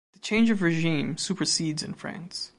The change of regime supersedes in France.